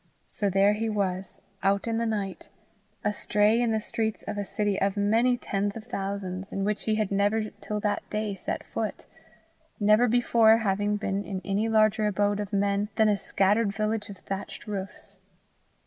So there he was, out in the night, astray in the streets of a city of many tens of thousands, in which he had never till that day set foot never before having been in any larger abode of men than a scattered village of thatched roofs.